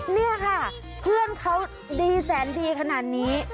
นี่ค่ะเพื่อนเขาดีแสนดีขนาดนี้